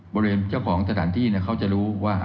บริเวณเจ้าของสถานที่เขาจะรู้ว่า